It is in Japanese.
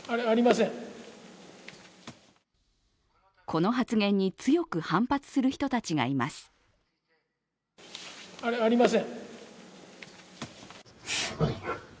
この発言に強く反発する人たちがいます。